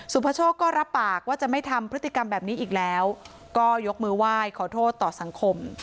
พโชคก็รับปากว่าจะไม่ทำพฤติกรรมแบบนี้อีกแล้วก็ยกมือไหว้ขอโทษต่อสังคม